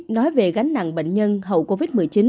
nói về gánh nặng bệnh nhân hậu covid một mươi chín